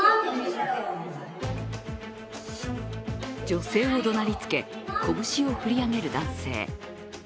女性をどなりつけ、拳を振り上げる男性。